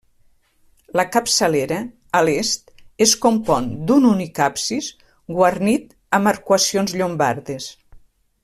La capçalera, a l'est, es compon d'un únic absis guarnit amb arcuacions llombardes.